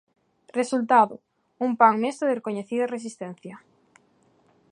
Resultado: un pan mesto de recoñecida resistencia.